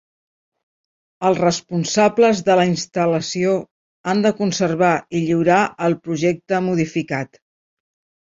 Els responsables de la instal·lació han de conservar i lliurar el projecte modificat.